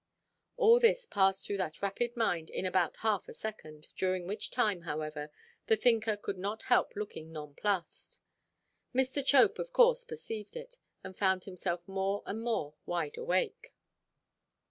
All this passed through that rapid mind in about half a second, during which time, however, the thinker could not help looking nonplussed. Mr. Chope of course perceived it, and found himself more and more wide–awake.